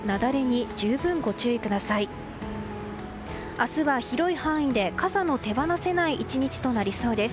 明日は広い範囲で傘の手放せない１日になりそうです。